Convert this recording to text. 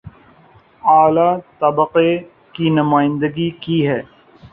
اعلی طبقے کی نمائندگی کی ہے